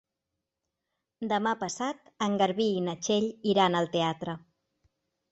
Demà passat en Garbí i na Txell iran al teatre.